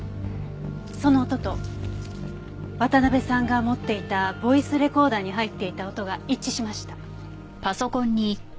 その音と渡辺さんが持っていたボイスレコーダーに入っていた音が一致しました。